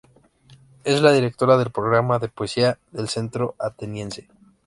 Es la Directora del Programa de Poesía del Centro Ateniense.